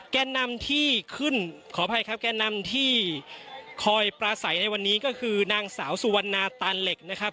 แก่นำที่ขึ้นขออภัยครับแกนนำที่คอยปราศัยในวันนี้ก็คือนางสาวสุวรรณาตานเหล็กนะครับ